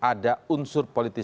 benarkah ada unsur politik